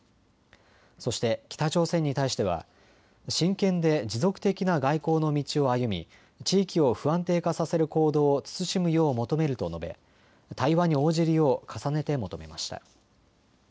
そして北朝鮮に対しては真剣で持続的な外交の道を歩み地域を不安定化させる行動を慎むよう求めると述べ対話に応じるよう重ねて求めました。